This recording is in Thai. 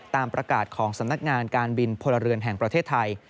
ตามประกาศของสำนักงานการบินพลเรือนแห่งประเทศไทย